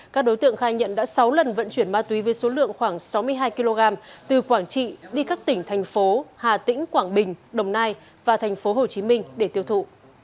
các đối tượng khai nhận đã sáu lần vận chuyển ma túy với số lượng khoảng sáu mươi hai kg từ quảng trị đi các tỉnh thành phố hà tĩnh quảng bình đồng nai và thành phố hồ chí minh để tiêu thụ